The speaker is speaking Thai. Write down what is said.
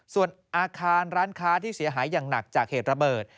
ส่วนอาคารร้านค้าที่เสียหายอย่างหนักจากเหตุระเบิด